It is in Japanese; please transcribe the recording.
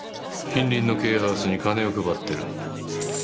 近隣のケアハウスに金を配ってる。